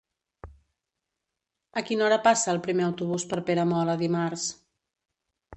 A quina hora passa el primer autobús per Peramola dimarts?